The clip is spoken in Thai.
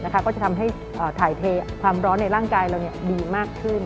ก็จะทำให้ถ่ายเทความร้อนในร่างกายเราดีมากขึ้น